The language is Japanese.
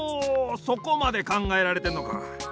そこまでかんがえられてんのか。